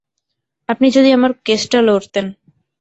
আপনি যদি আমার কেসটা লড়তেন।